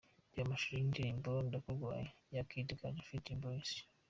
Reba amashusho y'indirimbo 'Ndakurwaye' ya Kid Gaju ft Dream boys.